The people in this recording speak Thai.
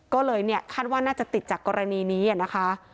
ก็เลยเนี่ยคาดว่าน่าจะติดจากกรณีนี้นะคะ